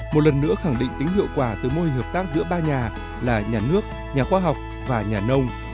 một lần nữa khẳng định tính hiệu quả từ mô hình hợp tác giữa ba nhà là nhà nước nhà khoa học và nhà nông